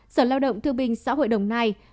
sở lao động thương binh xã hội đồng nai